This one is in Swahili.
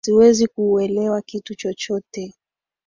Siwezi kuulewa kitu chochote?